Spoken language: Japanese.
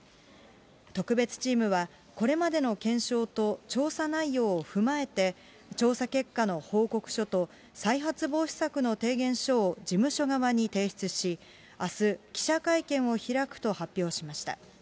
特別チームは、これまでの検証と調査内容を踏まえて、調査結果の報告書と、再発防止策の提言書を事務所側に提出し、あす、記者会見を開くと発表しました。